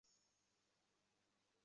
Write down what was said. না, এবং আমি চাই না যে সে কখনও জানুক।